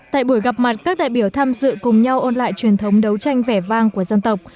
tại buổi gặp mặt các đại biểu tham dự cùng nhau ôn lại truyền thống đấu tranh vẻ vang của dân tộc